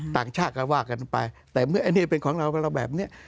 ต่างชาติก็ว่ากันไปแต่เมื่ออันนี้เป็นของเรากับเราแบบนี้